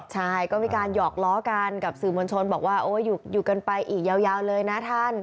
ใช่ก็มีการหยอกล้อกันกับสื่อมวลชนบอกว่าโอ้อยู่กันไปอีกยาวเลยนะท่าน